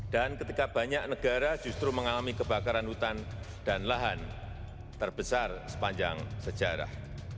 dan ketika banyak negara justru mengalami kebakaran hutan dan lahan terbesar sepanjang sejarah